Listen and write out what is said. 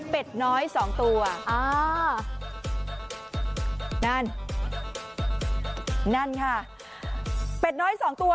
น้อยสองตัวอ่านั่นนั่นค่ะเป็ดน้อยสองตัว